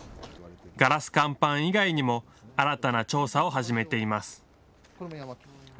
ガラス乾板以外にも新たな調査を始めています。